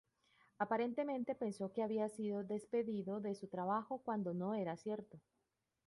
Aparentemente, pensó que había sido despedido de su trabajo, cuando no era cierto.